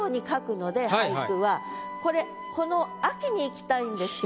これこの「秋」にいきたいんですけど。